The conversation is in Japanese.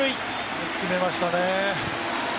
よく決めましたね。